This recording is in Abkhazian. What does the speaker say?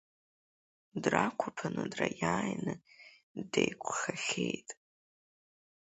Драқәаԥаны драиааины деиқәхахьеит.